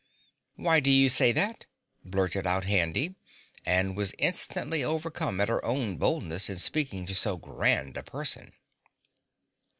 "Why do you say that?" blurted out Handy, and was instantly overcome at her own boldness in speaking to so grand a person.